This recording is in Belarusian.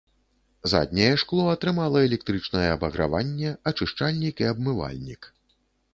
Задняе шкло атрымала электрычнае абаграванне, ачышчальнік і абмывальнік.